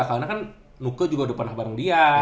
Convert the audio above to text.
karena kan nuke juga udah pernah bareng dia